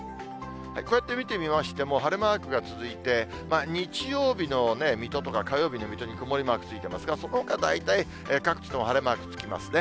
こうやって見てみましても、晴れマークが続いて、日曜日の水戸とか、火曜日の水戸に曇りマークついてますが、そのほか、大体各地とも晴れマークつきますね。